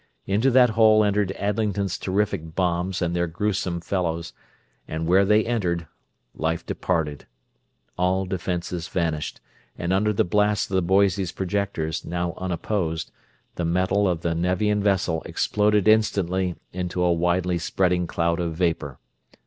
Into that hole entered Adlington's terrific bombs and their gruesome fellows, and where they entered, life departed. All defenses vanished, and under the blasts of the Boise's projectors, now unopposed, the metal of the Nevian vessel exploded instantly into a widely spreading cloud of vapor.